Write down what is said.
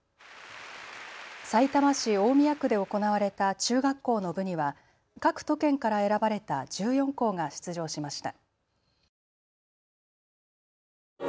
さいたま市大宮区で行われた中学校の部には各都県から選ばれた１４校が出場しました。